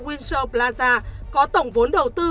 windsor plaza có tổng vốn đầu tư